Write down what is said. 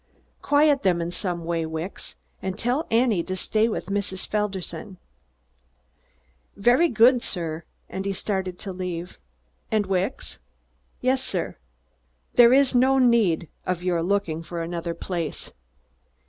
Quiet them in some way, Wicks! And tell Annie to stay with Mrs. Felderson!" "Very good, sir." He started to leave. "And, Wicks " "Yes, sir." "There is no need of your looking for another place."